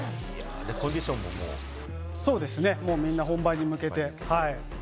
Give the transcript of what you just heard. コンディションもみんな本番に向けて、はい。